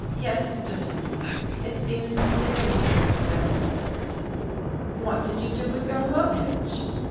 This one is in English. Yesterday! It seems years since then." " What did you do with your luggage?